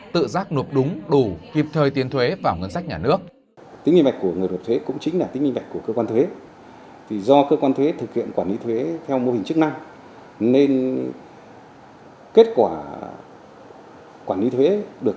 tự giác nộp đúng đủ kịp thời tiền thuế vào ngân sách nhà nước